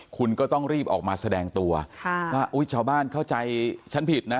คุณก็ต้องรีบออกมาแสดงตัวว่าชาวบ้านเข้าใจฉันผิดนะ